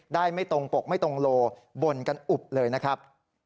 ไม่ตรงปกไม่ตรงโลบ่นกันอุบเลยนะครับ